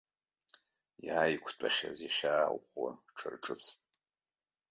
Иааиқәтәахьаз ихьаа ӷәӷәа аҽарҿыцт.